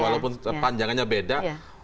walaupun panjangannya beda